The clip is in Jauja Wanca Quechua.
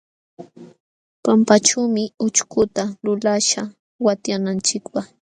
Pampaćhuumi ućhkuta lulaśhaq watyananchikpaq.